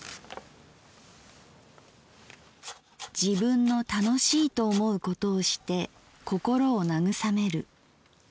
「自分の楽しいと思うことをして心を慰める。